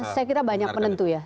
saya kira banyak penentu ya